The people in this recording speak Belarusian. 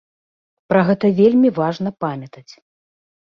Пра гэта вельмі важна памятаць.